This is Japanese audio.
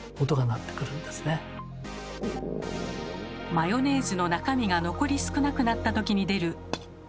マヨネーズの中身が残り少なくなったときに出る。